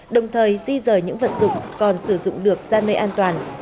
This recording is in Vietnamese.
đồng thời di rời những vật dụng còn sử dụng được ra nơi an toàn